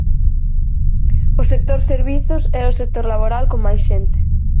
O sector servizos é o sector laboral con máis xente.